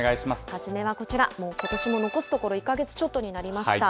初めはこちら、もうことしも残すところ１か月ちょっとになりました。